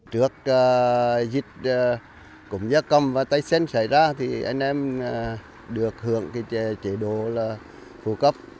trước dịch cúm gia cầm và tay sen xảy ra anh em được hưởng chế độ phụ cấp